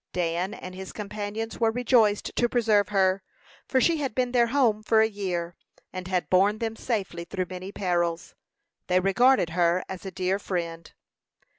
Dan and his companions were rejoiced to preserve her, for she had been their home for a year, and had borne them safely through many perils. They regarded her as a dear friend.